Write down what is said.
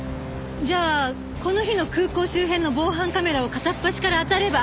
じゃあこの日の空港周辺の防犯カメラを片っ端からあたれば。